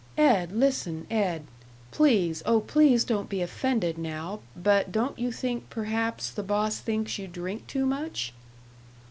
"Ed listen, Ed. Please, oh, please don't be offended now; but don't you think perhaps the boss thinks you drink too much?"